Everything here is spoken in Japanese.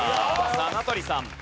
さあ名取さん。